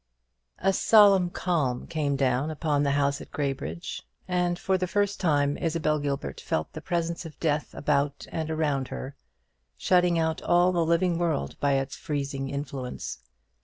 A solemn calm came down upon the house at Graybridge, and for the first time Isabel Gilbert felt the presence of death about and around her, shutting out all the living world by its freezing influence.